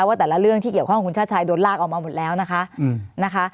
ว่าแต่ละเรื่องที่เกี่ยวข้องคุณชาติชายโดนลากออกมาหมดแล้วนะคะ